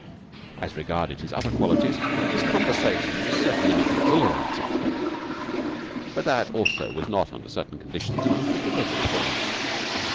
As regarded his other qualities, his conversation was certainly not exhilarating. But that also was not, under certain conditions, an unforgivable thing.